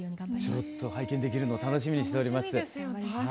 ちょっと拝見できるのを楽しみにしております。